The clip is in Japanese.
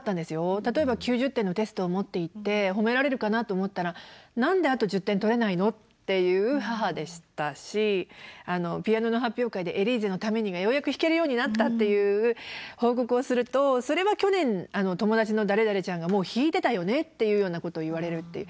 例えば９０点のテストを持っていって褒められるかなと思ったら「何であと１０点取れないの？」って言う母でしたしピアノの発表会で「エリーゼのために」がようやく弾けるようになったっていう報告をするとそれは去年友達の誰々ちゃんがもう弾いてたよねっていうようなことを言われるっていう。